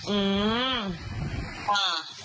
อืมอ่า